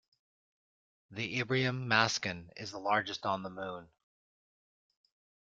The Imbrium mascon is the largest on the moon.